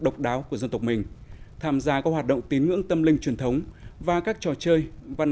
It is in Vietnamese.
độc đáo của dân tộc mình tham gia các hoạt động tín ngưỡng tâm linh truyền thống và các trò chơi văn